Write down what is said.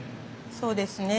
そうですね。